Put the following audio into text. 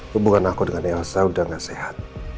hubungan aku dengan elsa udah gak sehat